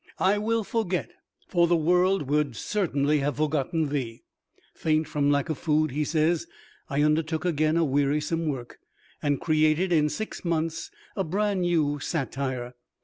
I will forget, for the world would certainly have forgotten thee." Faint from lack of food, he says, "I undertook again a wearisome work, and created in six months a brand new satire."